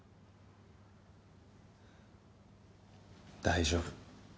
大丈夫。